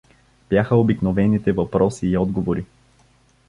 Бяха обикновените въпроси и отговори.